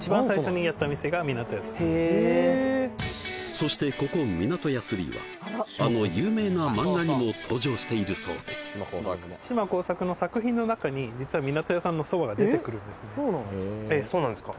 そしてここＭｉｎａｔｏｙａ３はあの有名な漫画にも登場しているそうでえっそうなんですか？